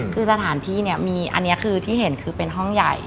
คือสถานที่เนี่ยมีอันนี้คือที่เห็นคือเป็นห้องใหญ่